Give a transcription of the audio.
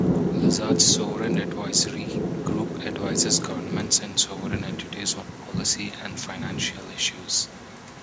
Lazard's Sovereign Advisory group advises governments and sovereign entities on policy and financial issues.